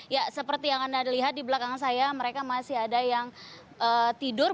ya seperti yang anda lihat di belakang saya mereka masih ada yang tidur